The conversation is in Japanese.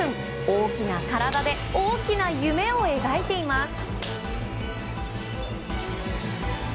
大きな体で大きな夢を描いています。